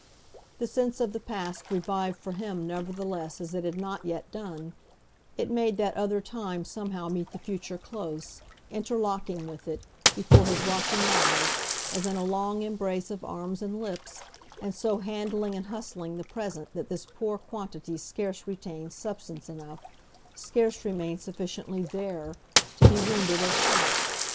The sense of the past revived for him nevertheless as it had not yet done: it made that other time somehow meet the future close, interlocking with it, before his watching eyes, as in a long embrace of arms and lips, and so handling and hustling the present that this poor quantity scarce retained substance enough, scarce remained sufficiently THERE, to be wounded or shocked.